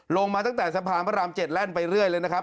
ลงมาตั้งแต่สะพานพระราม๗แล่นไปเรื่อยเลยนะครับ